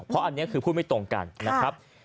เพราะอันนี้คือพูดไม่ตรงกันนะครับ